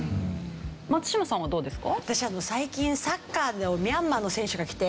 松嶋さんはどうですか？